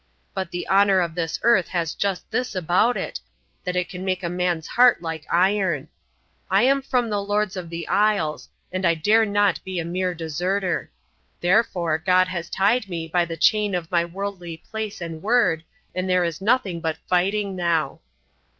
But the honour of this earth has just this about it, that it can make a man's heart like iron. I am from the Lords of the Isles and I dare not be a mere deserter. Therefore, God has tied me by the chain of my worldly place and word, and there is nothing but fighting now."